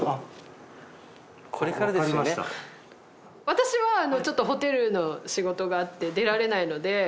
私はちょっとホテルの仕事があって出られないので。